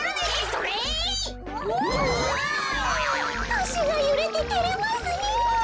あしがゆれててれますねえ。